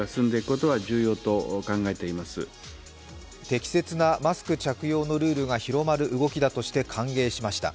適切なマスク着用のルールが広まる動きだとして歓迎しました。